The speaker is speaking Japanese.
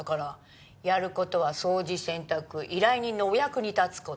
やる事は掃除洗濯依頼人のお役に立つ事。